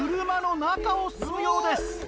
車の中を進むようです。